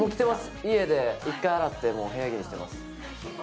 家で１回洗って部屋着にしています